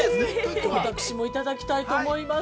私もいただきたいと思います。